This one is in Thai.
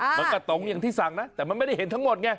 เหมือนกับตงอย่างที่สั่งนะแต่มันไม่ได้เห็นทั้งหมดไง